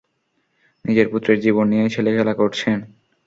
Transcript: নিজের পুত্রের জীবন নিয়ে ছেলেখেলা করছেন?